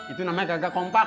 itu namanya gagak kompak